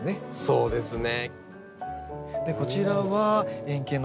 そうですね。